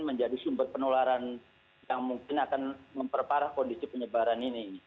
menjadi sumber penularan yang mungkin akan memperparah kondisi penyebaran ini